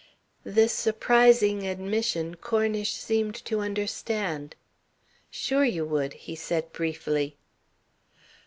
This surprising admission Cornish seemed to understand. "Sure you would," he said briefly.